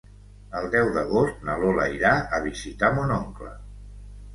El deu d'agost na Lola irà a visitar mon oncle.